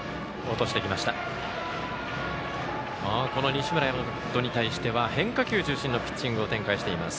西村大和にたいしては変化球を中心のピッチングを展開しています。